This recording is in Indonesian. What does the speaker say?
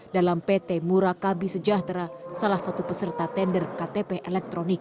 dalam pt murakabi sejahtera salah satu peserta tender ktp elektronik